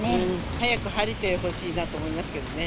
早く晴れてほしいなと思いますけどね。